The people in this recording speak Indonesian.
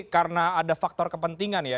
karena ada faktor kepentingan ya